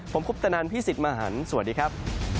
ผมคุปตนันพี่สิทธิ์มหันฯสวัสดีครับ